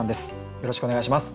よろしくお願いします。